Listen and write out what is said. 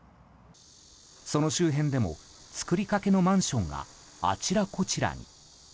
その周辺でも造りかけのマンションがあちらこちらに。